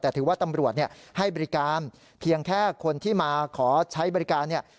แต่ถือว่าตำรวจให้บริการเพียงแค่คนที่มาขอใช้บริการเนี่ย